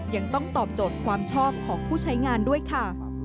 ยังต้องตอบโจทย์ความชอบของผู้ใช้งานด้วยค่ะ